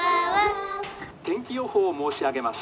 「天気予報を申し上げます」。